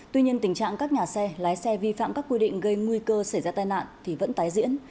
tuy nhiên tình trạng các nhà xe lái xe vi phạm các quy định gây nguy cơ xảy ra tai nạn thì vẫn tái diễn